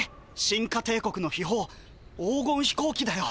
シンカ帝国の秘宝黄金飛行機だよ。